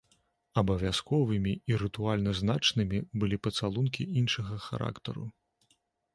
Абавязковымі і рытуальна значнымі былі пацалункі іншага характару.